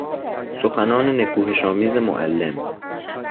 سخنان نکوهشآمیز معلم